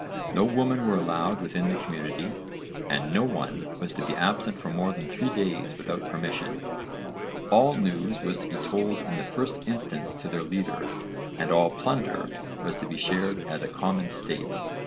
No women were allowed within the community, and no one was to be absent for more than three days without permission. All news was to be told in the first instance to their leader and all plunder was to be shared at a common stake.